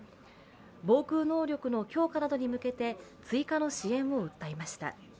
防空能力の強化などに向けて追加の支援を訴えました。